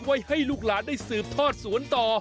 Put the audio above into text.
ให้ลูกหลานได้สืบทอดสวนต่อ